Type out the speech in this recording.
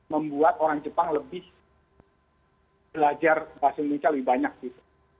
membuat orang jepang lebih belajar bahasa indonesia lebih banyak gitu